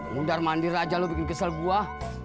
mudar mandir aja lu bikin kesel gua